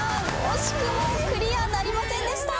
惜しくもクリアなりませんでした。